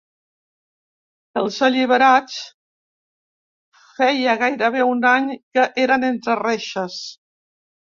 Els alliberats feia gairebé un any que eren entre reixes.